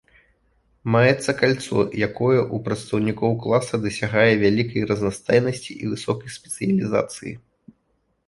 Маецца кальцо, якое ў прадстаўнікоў класа дасягае вялікай разнастайнасці і высокай спецыялізацыі.